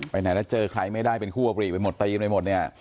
ไหนแล้วเจอใครไม่ได้เป็นคู่อบรีไปหมดตีกันไปหมดเนี่ย